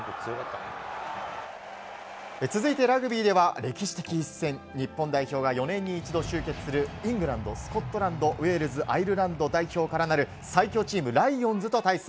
続いてラグビーでは歴史的一戦。日本代表が４年に一度集結するイングランド、スコットランドウェールズアイルランド代表からなる最強チーム、ライオンズと対戦。